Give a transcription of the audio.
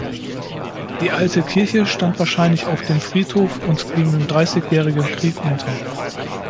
Die alte Kirche stand wahrscheinlich auf dem Friedhof und ging im Dreißigjährigen Krieg unter.